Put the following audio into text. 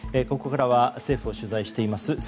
ここからは政府を取材しています